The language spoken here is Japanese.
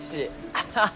アハハ。